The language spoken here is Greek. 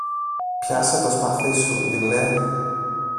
Πιάσε το σπαθί σου, δειλέ!